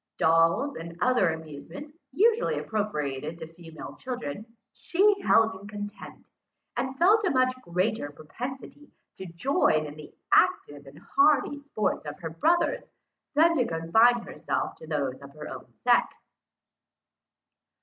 Dolls and the other amusements usually appropriated to female children, she held in contempt; and felt a much greater propensity to join in the active and hardy sports of her brothers, than to confine herself to those of her own sex.